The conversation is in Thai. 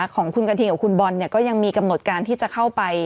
ของคุณกระทิงกับคุณบอลก็ยังมีกำหนดการที่จะเข้าไป